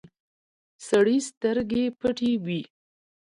سړي سترګې پټې وې.